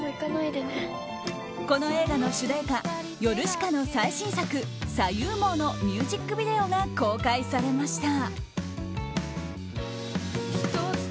この映画の主題歌となるヨルシカの最新作「左右盲」のミュージックビデオが後悔されました。